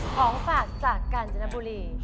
ของฝากจากกาญจนบุรี